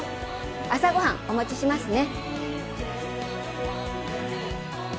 朝ご飯お持ちしますね。